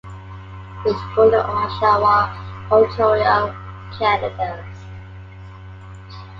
He was born in Oshawa, Ontario, Canada.